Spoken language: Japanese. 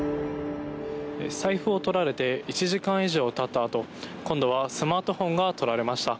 財布をとられて１時間以上経ったあと今度はスマートフォンがとられました。